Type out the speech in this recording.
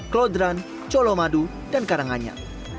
klauderan colomadu dan karanganya